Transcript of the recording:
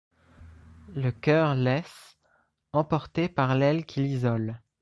Le coeur laisse, emporté par l’aile qui l’isole